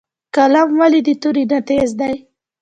قلم ولې د تورې نه تېز دی؟